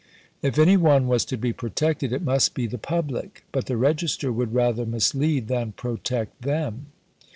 If any one was to be protected, it must be the public; but the Register would rather mislead than protect them.